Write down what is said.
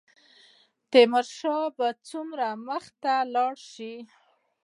تیمورشاه به څومره مخته ولاړ شي.